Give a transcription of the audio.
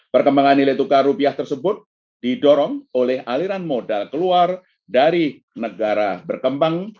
perkembangan nilai tukar rupiah tersebut didorong oleh aliran modal keluar dari negara berkembang